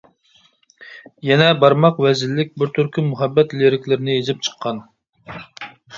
يەنە بارماق ۋەزىنلىك بىر تۈركۈم مۇھەببەت لىرىكىلىرىنى يېزىپ چىققان.